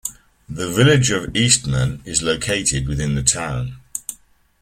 The Village of Eastman is located within the town.